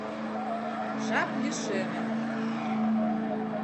Жап лишеме.